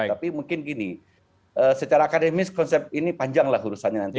tapi mungkin gini secara akademis konsep ini panjang lah urusannya nanti